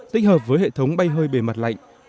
tích hợp với hệ thống bay hơi bề mặt lạnh